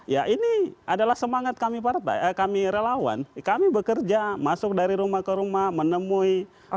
ya ini adalah semangat kami partai kami relawan kami bekerja masuk dari rumah ke rumah menemui